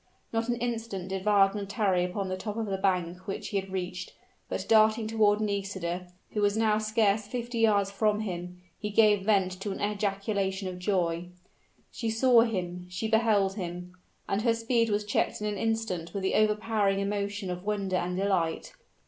Not an instant did Wagner tarry upon the top of the bank which he had reached; but darting toward Nisida, who was now scarce fifty yards from him, he gave vent to an ejaculation of joy. She saw him she beheld him: and her speed was checked in an instant with the overpowering emotion of wonder and delight.